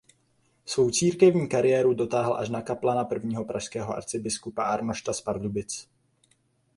Svou církevní kariéru dotáhl až na kaplana prvního pražského arcibiskupa Arnošta z Pardubic.